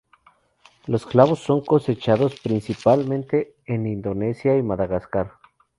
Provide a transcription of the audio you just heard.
Los clavos son cosechados principalmente en Indonesia y Madagascar.